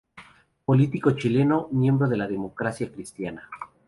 Político chileno, miembro de la Democracia Cristiana.